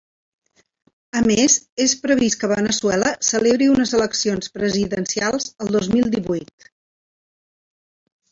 A més, és previst que Veneçuela celebri unes eleccions presidencials el dos mil divuit.